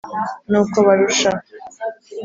n'uko barusha